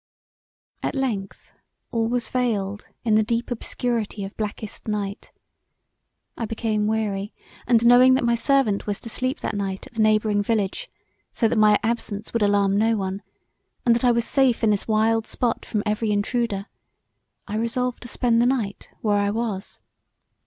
At length all was veiled in the deep obscurity of blackest night; I became weary and knowing that my servant was to sleep that night at the neighbouring village, so that my absence would alarm no one; and that I was safe in this wild spot from every intruder, I resolved to spend the night where I was.